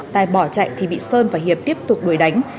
tài bỏ chạy thì bị sơn và hiệp tiếp tục đuổi đánh